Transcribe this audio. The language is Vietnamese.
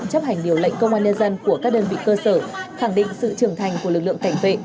chấp hành điều lệnh công an nhân dân của các đơn vị cơ sở khẳng định sự trưởng thành của lực lượng cảnh vệ